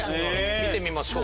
見てみましょう。